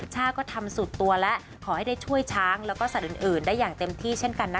ช่าก็ทำสุดตัวแล้วขอให้ได้ช่วยช้างแล้วก็สัตว์อื่นได้อย่างเต็มที่เช่นกันนะคะ